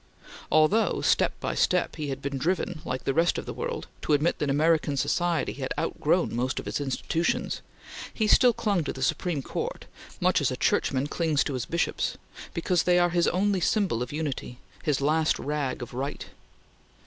Although, step by step, he had been driven, like the rest of the world, to admit that American society had outgrown most of its institutions, he still clung to the Supreme Court, much as a churchman clings to his bishops, because they are his only symbol of unity; his last rag of Right.